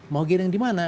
mau giniin dimana